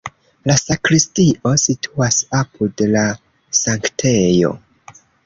La sakristio situas apud la sanktejo.